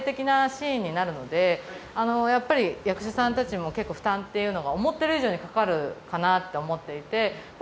やっぱり役者さんたちにも結構負担っていうのが思ってる以上にかかるかなって思っていて。